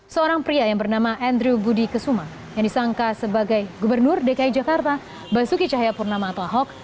seorang pria yang bernama andrew budi kesuma yang disangka sebagai gubernur dki jakarta basuki cahayapurnama atau ahok